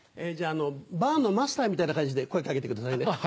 じゃあバーのマスターみたいな感じで声掛けてくださいね。